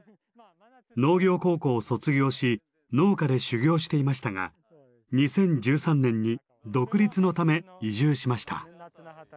農業高校を卒業し農家で修業していましたが２０１３年に独立のため移住しました。